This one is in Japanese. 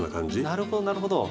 なるほどなるほど。